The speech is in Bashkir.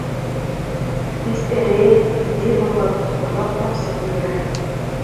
Сәстәре, бите буй лап субырлап тамсы йүгерә